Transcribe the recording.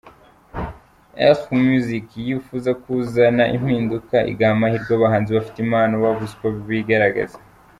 L Music yifuza kuzana impinduka igaha amahirwe abahanzi bafite impano babuze uko bigaragaza.